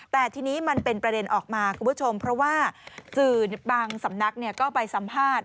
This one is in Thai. แต่ทีนี้มันเป็นประเด็นออกมาคุณผู้ชมเพราะว่าสื่อบางสำนักก็ไปสัมภาษณ์